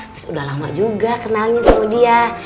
terus udah lama juga kenalin sama dia